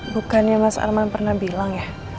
bukannya mas arman pernah bilang ya